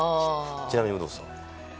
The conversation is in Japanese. ちなみに有働さんは？